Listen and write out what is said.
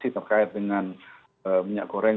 terkait dengan minyak goreng